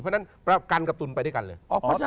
เพราะฉะนั้นประกันกับตุลไปด้วยกันเลย